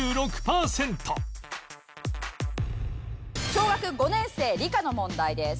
小学５年生理科の問題です。